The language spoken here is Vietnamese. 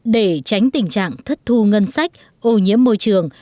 để tránh tình trạng thất thu ngân sách ô nhiễm môi trường